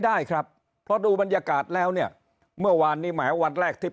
ได้ครับเพราะดูบรรยากาศแล้วเนี่ยเมื่อวานนี้แหมวันแรกที่